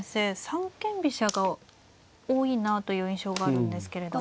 三間飛車が多いなという印象があるんですけれど。